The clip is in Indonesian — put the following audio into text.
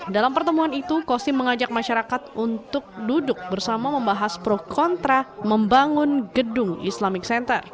dalam pertemuan itu kosim mengajak masyarakat untuk duduk bersama membahas pro kontra membangun gedung islamic center